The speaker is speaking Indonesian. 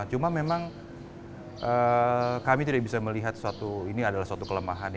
cuma memang kami tidak bisa melihat ini adalah suatu kelemahan